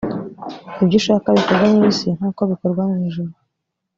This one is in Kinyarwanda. ibyo ushaka bikorwe mu isi nk uko bikorwa mu ijuru